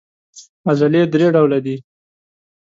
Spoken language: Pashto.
عضلې درې ډوله دي.